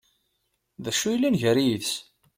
D acu yellan gar-i yid-s?